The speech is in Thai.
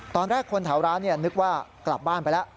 ตอนแรกคนแถวร้านนึกว่ากลับบ้านไปแล้ว